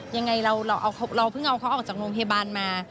ยังไงเราเพิ่งเอาเขาออกจากโรงพยาบาลมา